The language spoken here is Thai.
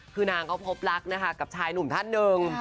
คือนางเขาพบรักนะคะกับชายหนุ่มท่านหนึ่ง